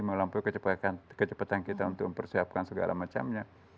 melampaui kecepatan kita untuk mempersiapkan segala macamnya